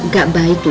gak baik lo